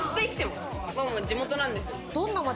地元なんですよ。